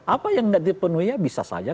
apa yang tidak dipenuhi ya bisa saja